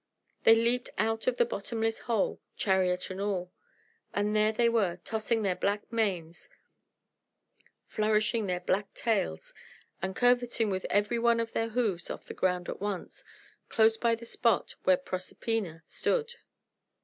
They leaped out of the bottomless hole, chariot and all; and there they were, tossing their black manes, flourishing their black tails, and curveting with every one of their hoofs off the ground at once, close by the spot where Proserpina stood.